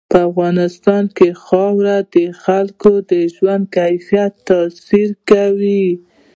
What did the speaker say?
په افغانستان کې خاوره د خلکو د ژوند کیفیت تاثیر کوي.